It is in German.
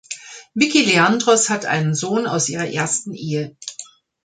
Vicky Leandros hat einen Sohn aus ihrer ersten Ehe.